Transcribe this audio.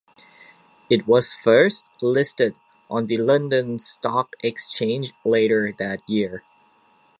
It was first listed on the London Stock Exchange later that year.